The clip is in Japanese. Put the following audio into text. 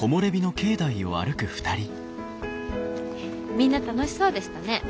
みんな楽しそうでしたね。